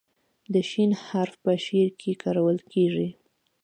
د "ش" حرف په شعر کې کارول کیږي.